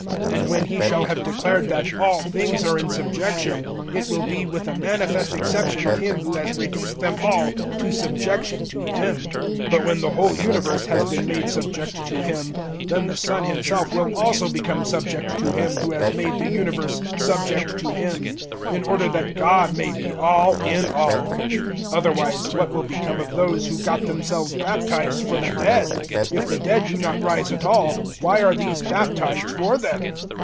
And when He shall have declared that "All things are in subjection," it will be with the manifest exception of Him who has reduced them all to subjection to Him. 015:028 But when the whole universe has been made subject to Him, then the Son Himself will also become subject to Him who has made the universe subject to Him, in order that GOD may be all in all. 015:029 Otherwise what will become of those who got themselves baptized for the dead? If the dead do not rise at all, why are these baptized for them?